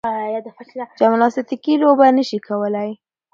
جمناستیکي لوبه نه شي کولای.